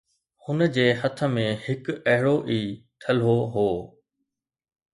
هُن جي هٿ ۾ هڪ اهڙو ئي ٿلهو هو